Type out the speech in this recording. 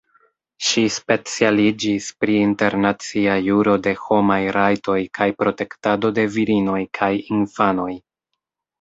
Ŝi specialiĝis pri Internacia juro de homaj rajtoj kaj protektado de virinoj kaj infanoj.